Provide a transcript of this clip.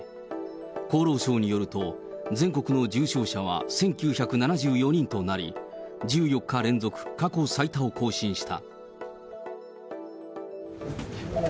厚労省によると、全国の重症者は１９７４人となり、１４日連続過去最多を更新した。